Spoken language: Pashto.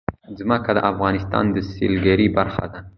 ځمکه د افغانستان د سیلګرۍ برخه ده.